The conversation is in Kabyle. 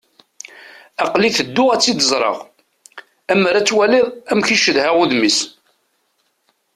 Aql-i tedduɣ ad tt-id-ẓreɣ. Ammer ad twaliḍ amek i cedhaɣ udem-is.